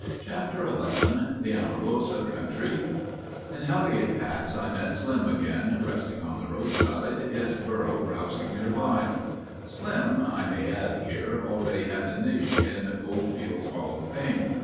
Chapter XI The Amargosa Country In Hellgate Pass I met Slim again, resting on the roadside, his burro browsing nearby. Slim, I may add here, already had a niche in Goldfield's hall of fame.